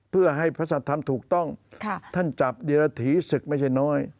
เพื่อให้พระสัตว์ธรรมถูกต้องท่านจับเดรถีศึกไม่ใช่น้อย